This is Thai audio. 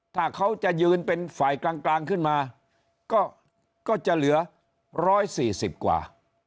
ถ้าเขาจะยืนเป็นฝ่ายกลางกลางขึ้นมาก็ก็จะเหลือร้อยสี่สิบกว่า